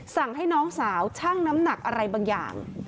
สั่งให้น้องสาวชั่งน้ำหนักอะไรบางอย่าง